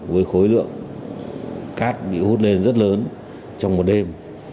với khối lượng cát bị hút lên rất lớn trong một đêm